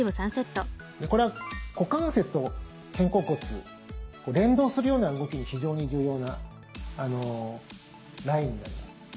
これは股関節と肩甲骨連動するような動きに非常に重要なラインになります。